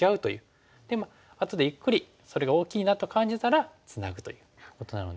であとでゆっくりそれが大きいなと感じたらツナぐということなので。